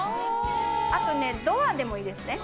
あとね、ドアでもいいですね。